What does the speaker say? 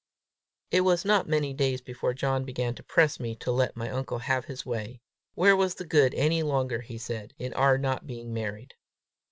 It was not many days before John began to press me to let my uncle have his way: where was the good any longer, he said, in our not being married?